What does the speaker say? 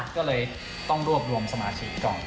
ก็เลยต้องรวบรวมสมาธิก่อน